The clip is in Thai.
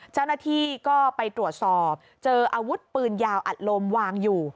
เจ้าหน้าที่ก็ไปตรวจสอบเจออาวุธปืนยาวอัดลมวางอยู่